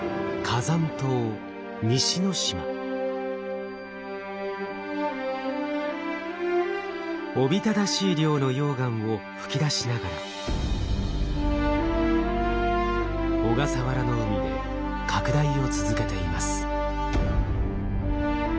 火山島おびただしい量の溶岩を噴き出しながら小笠原の海で拡大を続けています。